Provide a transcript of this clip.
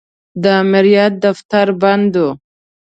د امریت دفتر بند و.